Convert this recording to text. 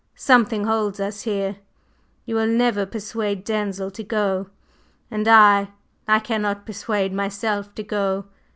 Something holds us here. You will never persuade Denzil to go, and I I cannot persuade myself to go.